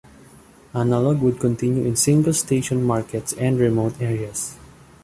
Analogue would continue in single-station markets and remote areas.